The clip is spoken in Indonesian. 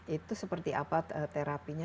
itu seperti apa terapinya